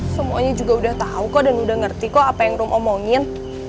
semuanya juga udah tahu kok dan udah ngerti kok apa yang room omongin